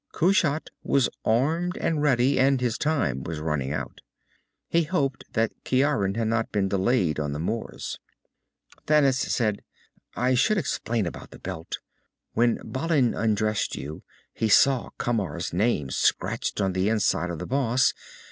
Kushat was armed and ready and his time was running out. He hoped that Ciaran had not been delayed on the moors. Thanis said, "I should explain about the belt. When Balin undressed you, he saw Camar's name scratched on the inside of the boss.